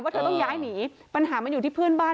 เธอต้องย้ายหนีปัญหามันอยู่ที่เพื่อนบ้าน